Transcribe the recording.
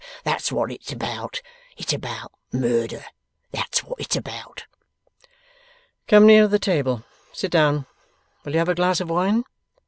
That's what it's about. It's about Murder. That's what it's about.' 'Come nearer the table. Sit down. Will you have a glass of wine?